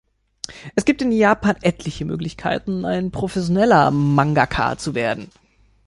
Es gibt in Japan etliche Möglichkeiten, ein professioneller Mangaka zu werden.